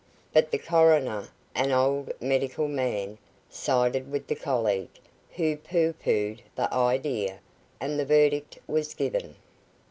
But the Coroner, an old medical man, sided with the colleague, who pooh poohed the idea, and the verdict was given.